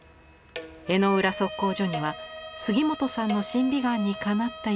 江之浦測候所には杉本さんの審美眼にかなった石が集められています。